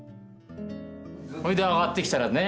それで上がってきたらね